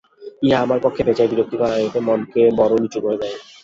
উহা আমার পক্ষে বেজায় বিরক্তিকর আর ওতে মনকে বড় নীচু করে দেয়।